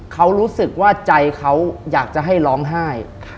เขารู้สึกว่าใจเขาอยากจะให้ร้องไห้